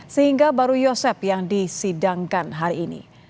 sehingga baru yosep yang disidangkan hari ini